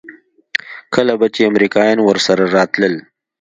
کله به چې امريکايان ورسره راتلل.